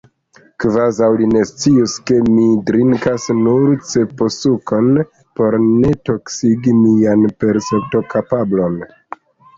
Kvazaŭ li ne scius ke mi drinkas nur ceposukon, por ne toksigi mian perceptokapablon!